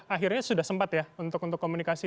akhirnya sudah sempat ya untuk komunikasi